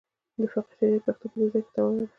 د فقه شریعت پښتو په دې ځای کې تمامه ده.